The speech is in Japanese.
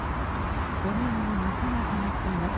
路面に水がたまっています。